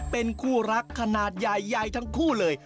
เป็นคู่รักขนาดใหญ่ใหญ่ทั้งคู่เลย